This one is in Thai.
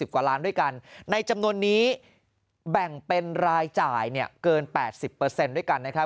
กว่าล้านด้วยกันในจำนวนนี้แบ่งเป็นรายจ่ายเกิน๘๐ด้วยกันนะครับ